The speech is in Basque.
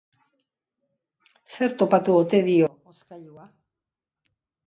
Zer topatu ote dio hzokailua?